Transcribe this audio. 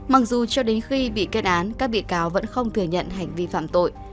mặc dù cho đến khi bị kết án các bị cáo vẫn không thừa nhận hành vi phạm tội